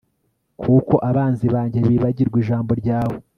kuko abanzi banjye bibagirwa ijambo ryawe